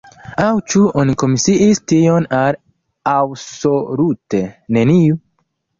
Aŭ ĉu oni komisiis tion al absolute neniu?